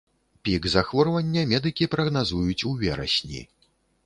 Пік захворвання медыкі прагназуюць у верасні.